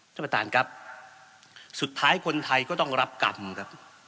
ท่านประธานครับสุดท้ายคนไทยก็ต้องรับกรรมครับ